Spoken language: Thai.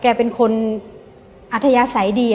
แกเป็นคนอัธยาศัยดี